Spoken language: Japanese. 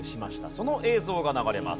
その映像が流れます。